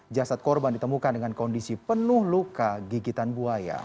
jasad korban ditemukan dengan kondisi penuh luka gigitan buaya